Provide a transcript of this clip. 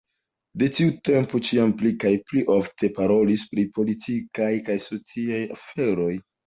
De tiu tempo ĉiam pli kaj pli ofte parolis pri politikaj kaj sociaj aferoj.